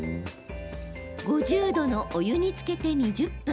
５０度のお湯につけて２０分。